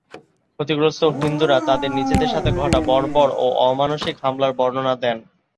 ক্ষতিগ্রস্থ হিন্দুরা তাকে নিজেদের সাথে ঘটা বর্বর ও অমানুষিক হামলার বর্ণনা দেন।